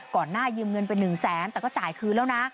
ก่อนหน้ายืมเงินไปหนึ่งแสนแต่ก็จ่ายคืนแล้วนะ